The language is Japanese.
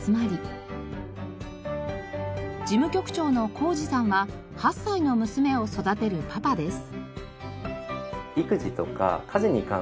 事務局長のＫＯＪＩさんは８歳の娘を育てるパパです。